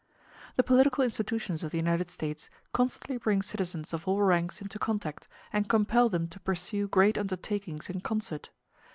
The political institutions of the United States constantly bring citizens of all ranks into contact, and compel them to pursue great undertakings in concert.